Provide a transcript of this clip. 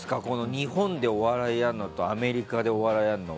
日本でお笑いやるのとアメリカでお笑いやるの。